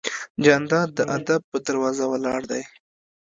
جانداد د ادب په دروازه ولاړ دی.